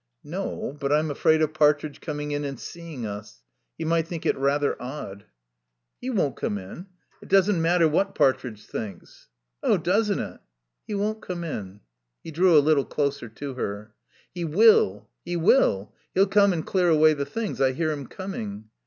"No, but I'm afraid of Partridge coming in and seeing us. He might think it rather odd." "He won't come in. It doesn't matter what Partridge thinks." "Oh, doesn't it!" "He won't come in." He drew a little closer to her. "He will. He will. He'll come and clear away the things. I hear him coming."